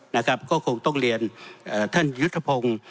นะครับก็คงต้องเรียนท่านยุทธพงศ์